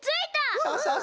そうそうそう。